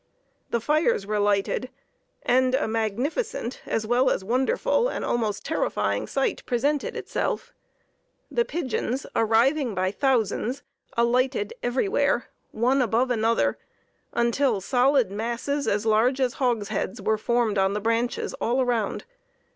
The fires were lighted, and a magnificent, as well as wonderful and almost terrifying sight presented itself. The pigeons, arriving by thousands, alighted everywhere, one above another, until solid masses as large as hogsheads were formed on the branches all round.